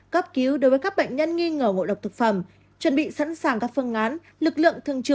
cấp cứu đối với các bệnh nhân nghi ngờ ngộ độc thực phẩm chuẩn bị sẵn sàng các phương án lực lượng thường trực